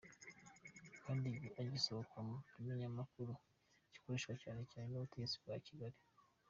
Kandi igasohoka mu kimenyeshamakuru gikoreshwa cyane cyane n’ubutegetsi bwa Kigali.